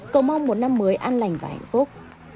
cầu mong một năm mới an lành và hạnh phúc